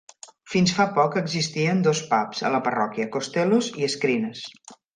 Fins fa poc existien dos "pubs" a la parròquia, Costellos i Screenes.